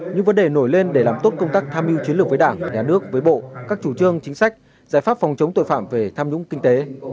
những vấn đề nổi lên để làm tốt công tác tham mưu chiến lược với đảng nhà nước với bộ các chủ trương chính sách giải pháp phòng chống tội phạm về tham nhũng kinh tế